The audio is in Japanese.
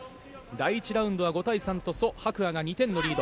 第１ラウンドは５対３とソ・ハクアが２点のリード。